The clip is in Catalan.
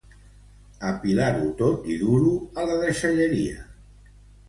Apilar-ho tot i dur-ho a la deixalleria